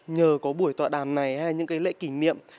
nhờ có buổi tọa đàm này hay là những cái lễ kỷ niệm